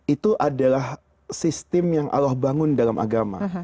itu adalah sistem yang allah bangun dalam agama